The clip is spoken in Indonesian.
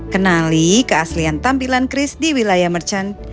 kenali keaslian tampilan chris di wilayah merchant